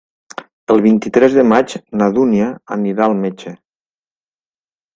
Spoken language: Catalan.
El vint-i-tres de maig na Dúnia anirà al metge.